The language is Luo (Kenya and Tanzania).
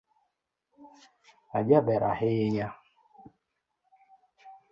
Ajaber ahinya